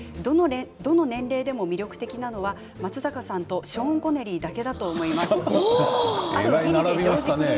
どの年齢でも魅力的なのは松坂さんとショーン・コネリーだけだと思います。